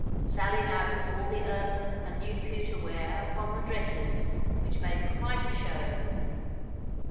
Sally now put all the earthen and new pewter ware upon the dressers, which made quite a show.